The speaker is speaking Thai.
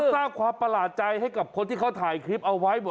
สร้างความประหลาดใจให้กับคนที่เขาถ่ายคลิปเอาไว้